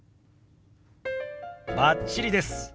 バッチリです。